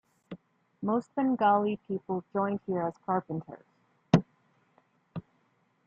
Most Bengali people joined here as carpenters.